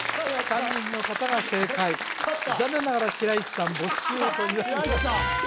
３人の方が正解残念ながら白石さんボッシュートになります